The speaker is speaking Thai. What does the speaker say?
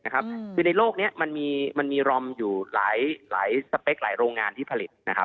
คือในโลกนี้มันมีรอมอยู่หลายสเปคหลายโรงงานที่ผลิตนะครับ